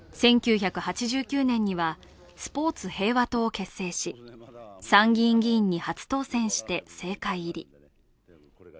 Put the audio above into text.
１９８９年にはスポーツ平和党を結成し参議院議員に初当選して政界入り。